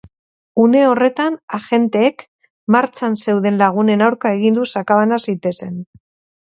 Une horretan, agenteek martxan zeuden lagunen aurka egin du sakabana zitezen.